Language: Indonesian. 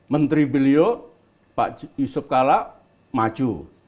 menteri beliau pak yusuf kala maju